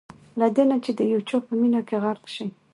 له دې نه چې د یو چا په مینه کې غرق شئ.